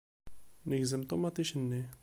Negzem ṭumaṭic-nni.